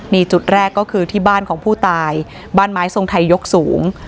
นี่จุดแรกก็คือที่บ้านของผู้ตายบ้านไม้ทรงไทยยกสูง